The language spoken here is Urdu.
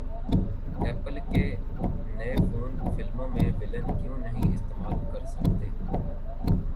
ایپل کے ئی فون فلموں میں ولن کیوں نہیں استعمال کرسکتے